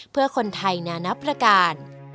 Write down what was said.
เพื่อคนไทยนานับประการ